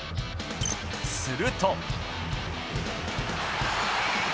すると。